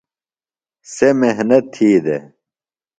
سےۡ محنت تھی دےۡ۔